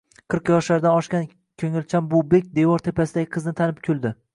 Qirq yoshlardan oshgan koʻngilchan bu bek devor tepasidagi qizni tanib kuldi.